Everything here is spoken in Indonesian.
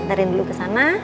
nanti aku sarin dulu kesana